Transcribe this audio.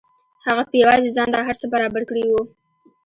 هغه په یوازې ځان دا هر څه برابر کړي وو